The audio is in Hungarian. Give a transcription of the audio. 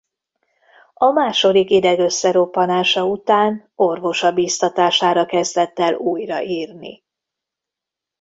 A második ideg-összeroppanása után orvosa biztatására kezdett el újra írni.